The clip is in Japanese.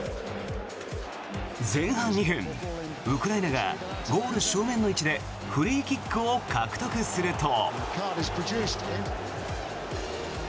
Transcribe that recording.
前半２分ウクライナがゴール正面の位置でフリーキックを獲得すると。